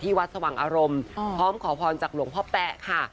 ที่วัดสวังอารมณ์ศพรพรจากหลวงพ่อแพะค่ะ